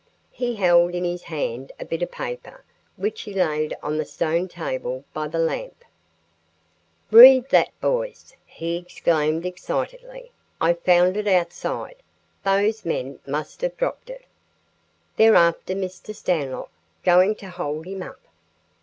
He held in his hand a bit of paper which he laid on the stone table by the lamp. "Read that, boys!" he exclaimed, excitedly. "I found it outside. Those men must have dropped it. They're after Mr. Stanlock going to hold him up."